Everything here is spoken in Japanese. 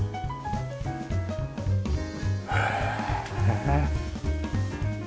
へえ！